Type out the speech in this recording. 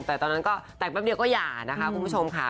แต่ตอนนั้นก็แต่งแป๊บเดียวก็อย่านะคะคุณผู้ชมค่ะ